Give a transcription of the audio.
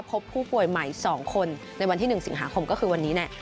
พบผู้ป่วยใหม่๒คนในวันที่๑สิงหาคมก็คือวันนี้แหละ